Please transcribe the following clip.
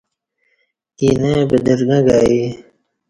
اینہ بدرگں گائی ایی